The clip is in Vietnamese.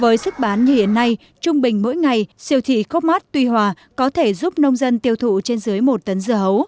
với sức bán như hiện nay trung bình mỗi ngày siêu thị cốc mát tuy hòa có thể giúp nông dân tiêu thụ trên dưới một tấn rưỡi